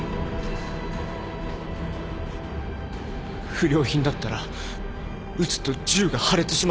不良品だったら撃つと銃が破裂しますよ。